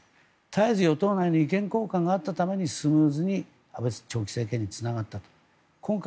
絶えず会議があったためにスムーズに安倍長期政権につながったと。